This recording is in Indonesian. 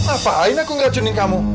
apa lain aku ngeracunin kamu